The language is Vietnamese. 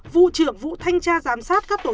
vụ trưởng vụ thanh tra giám sát các tổ